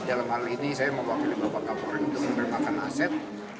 dalam hal ini saya mewakili bapak bapak polri untuk memberikan aset